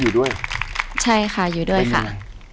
อยู่ที่แม่ศรีวิรัยิลครับ